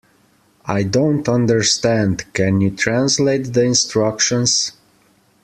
I don't understand; can you translate the instructions?